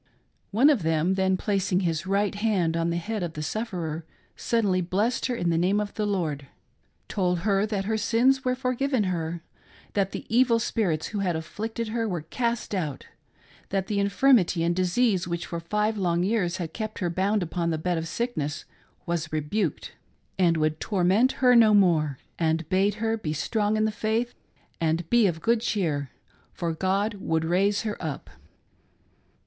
One of them then placing his right hand on the head of the sufferer suddenly blessed her in the name of the Lord, told her that her sins were forgiven her ; that the evil spirits who had afflicted her were cast out ; that the infirmity and disease which for five long years had kept her bound upon the bed of sickness was rebuked, and would torment her no more ; and bade her be strong in the faith and be of good cheer, for God would raise her up.